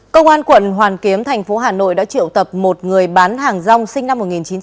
công an quận hoàn kiếm thành phố hà nội đã triệu tập một người bán hàng rong sinh năm một nghìn chín trăm tám mươi